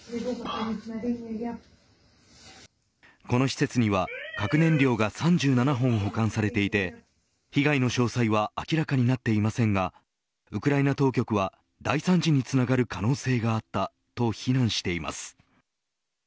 この施設には核燃料が３７本保管されていて被害の詳細は明らかになっていませんがウクライナ当局は大惨事につながる可能性があったと非難しています。